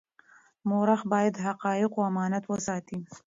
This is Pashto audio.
مورخ باید د حقایقو امانت وساتي.